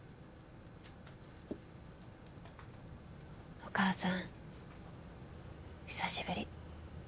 お母さん久しぶり。